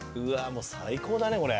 もう最高だねこれ。